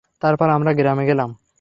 তারপর, আমরা গ্রামে গেলাম।